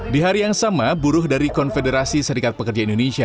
di hari yang sama buruh dari konfederasi serikat pekerja indonesia